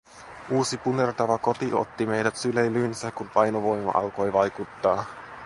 Uusi punertava koti otti meidät syleilyynsä, kun painovoima alkoi vaikuttaa.